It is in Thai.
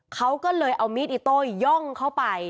เขาก็เลยเอามีดอิโต้ย่องเข้าไป